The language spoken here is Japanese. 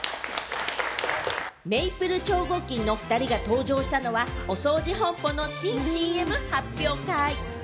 メイプル超合金の２人が登場したのは、おそうじ本舗の新ＣＭ発表会。